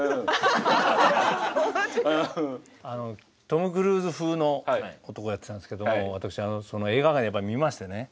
トム・クルーズ風の男をやってたんですけど私映画館でやっぱり見ましてね。